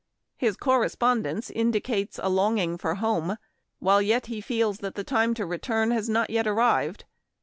His correspondence indicates a longing for home, while yet he feels that the time to return has not yet arrived.